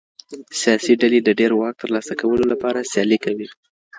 سياسي ډلې د ډېر واک ترلاسه کولو لپاره سيالي کوي.